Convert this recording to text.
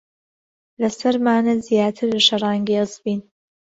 لەسەرمانە زیاتر شەڕانگێز بین.